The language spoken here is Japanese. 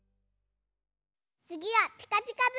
つぎは「ピカピカブ！」。